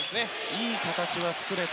いい形は作れた。